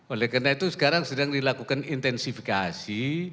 oleh karena itu sekarang sedang dilakukan intensifikasi